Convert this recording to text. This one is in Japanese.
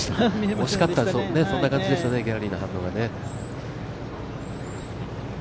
惜しかった、そんな感じでしたね、ギャラリーの反応がね。